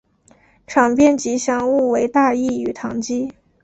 场边吉祥物为大义与唐基。